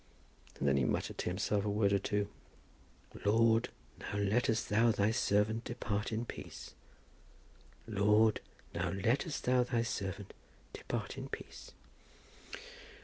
And then he muttered to himself a word or two. "Lord, now lettest Thou Thy servant depart in peace. Lord, now lettest Thou Thy servant depart in peace."